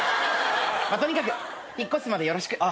とにかく引っ越すまでよろしく。